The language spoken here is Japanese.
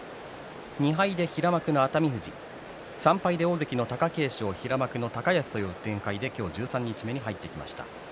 ２敗で平幕の熱海富士３敗で大関の貴景勝平幕の高安という展開で今日、十三日目に入ってきました。